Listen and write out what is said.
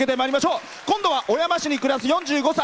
今度は小山市に暮らす４５歳。